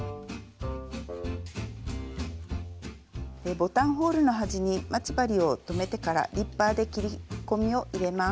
ボタンホールの端に待ち針を留めてからリッパーで切り込みを入れます。